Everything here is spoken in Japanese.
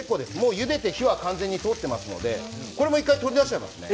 ゆでて完全に火は通っていますのでこれも１回、取り出しますね。